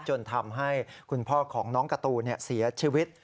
จนทำให้คุณพ่อของน้องการ์ตูนเสียชีวิต